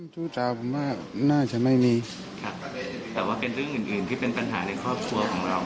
ชู้สาวผมว่าน่าจะไม่มีครับแต่ว่าเป็นเรื่องอื่นที่เป็นปัญหาในครอบครัวของเรา